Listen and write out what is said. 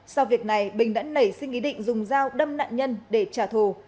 sau việc này bình đã nảy sinh ý định dùng dao đâm nạn nhân để trả thù